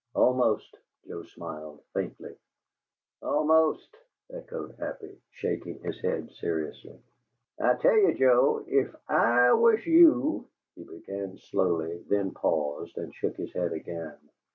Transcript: "Almost," Joe smiled, faintly. "ALMOST," echoed Happy, shaking his head seriously. "I tell ye, Joe, ef I was YOU " he began slowly, then paused and shook his head again.